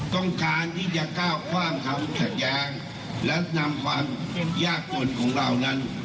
ต้องการที่จะก้าวความขัดแย้งและนำความยากจนของเรานั้น